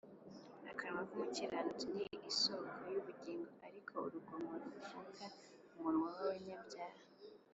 akanwa k’umukiranutsi ni isōko y’ubugingo, ariko urugomo rupfuka umunwa w’abanyabyaha